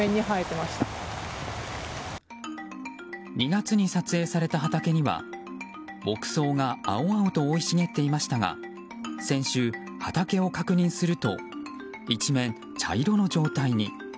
２月に撮影された畑には牧草が青々と生い茂っていましたが先週、畑を確認すると一面茶色の状態に。